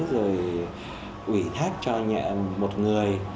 rồi quỷ thác cho một người